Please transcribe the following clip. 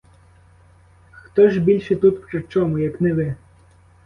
Хто ж більше тут при чому, як не ви?